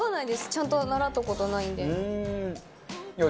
ちゃんと習った事ないんで。